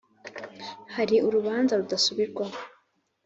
Hari Urubanza rudasubirwaho.